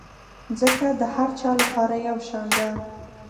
مځکه د هر چا لپاره یو شان ده.